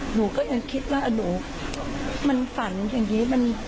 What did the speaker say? หนูก็ยังคิดว่าหนูมันฝันอย่างนี้